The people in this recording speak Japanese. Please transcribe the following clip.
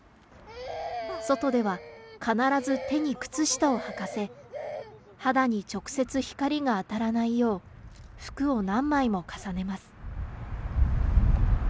外では必ず手に靴下をはかせ、肌に直接光が当たらないよう、せーの、ほい。